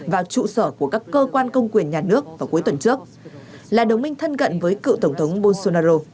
vào trụ sở của các cơ quan công quyền nhà nước vào cuối tuần trước là đồng minh thân cận với cựu tổng thống bolsonaro